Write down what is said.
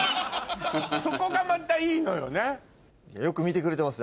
そこがまたいいのよね。